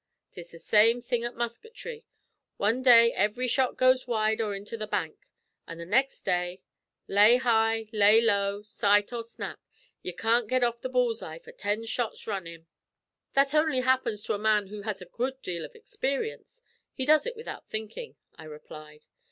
'Tis the same thing at musketry. Wan day ev'ry shot goes wide or into the bank, an' the next lay high, lay low, sight or snap ye can't get off the bull's eye for ten shots runnin'." "That only happens to a man who has had a good deal of experience; he does it without thinking," I replied.